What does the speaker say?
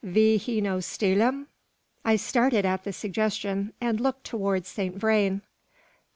vy he no steal 'im?" I started at the suggestion, and looked towards Saint Vrain.